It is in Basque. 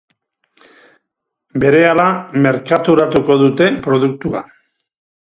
Berehala merkaturatuko dute produktua.